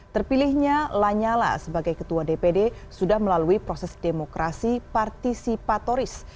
terpilihnya lanyala sebagai ketua dpd sudah melalui proses demokrasi partisipatoris